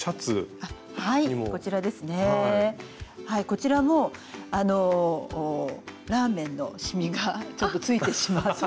こちらもあのラーメンのしみがちょっとついてしまって。